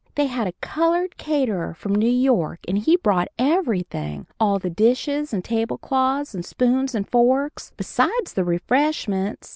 They had a colored caterer from New York, and he brought everything all the dishes and table cloths and spoons and forks, besides the refreshments.